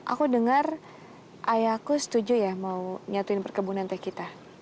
aku dengar ayahku setuju ya mau nyatuin perkebunan teh kita